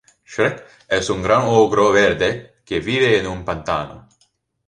Shrek es un gran ogro verde que vive en un pantano.